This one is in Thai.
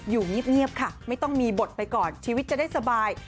อยู่เงียบค่ะไม่ต้องมีบทไปก่อนชีวิตจะได้สบาย